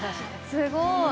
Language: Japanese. すごい。